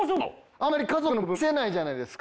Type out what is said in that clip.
あんまり家族の部分見せないじゃないですか。